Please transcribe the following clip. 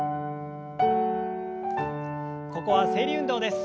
ここは整理運動です。